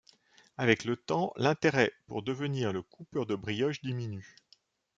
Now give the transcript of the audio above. Avec le temps, l’intérêt pour devenir le coupeur de brioche diminue.